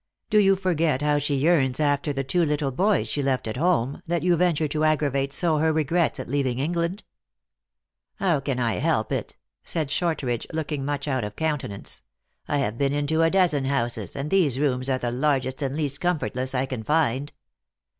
Do you forget how she yearns after the two little boys she left at home, that you venture to aggravate so her regrets at leaving England ?"" How can I help it ?" said Shortridge, looking much out of countenance ;" I have been into a dozen houses, and these rooms are the largest and least com fortless I can find."